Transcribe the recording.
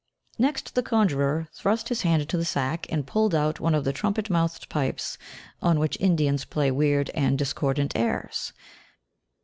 Next the conjurer thrust his hand into the sack, and pulled out one of the trumpet mouthed pipes on which Indians play weird and discordant airs.